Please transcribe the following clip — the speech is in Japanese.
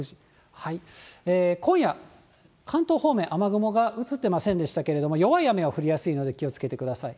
今夜、関東方面、雨雲が映ってませんでしたけれども、弱い雨が降りやすいので、気をつけてください。